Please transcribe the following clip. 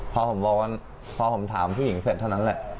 พอผมบอกว่าพอผมถามผู้หญิงเสร็จเท่านั้นแหละ